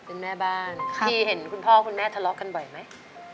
เป็นแม่บ้านพี่เห็นคุณพ่อคุณแม่ทะเลาะกันบ่อยไหม